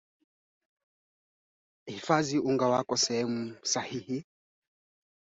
Kundi hilo la wanamgambo lilisema kwenye mtandao wake wa mawasiliano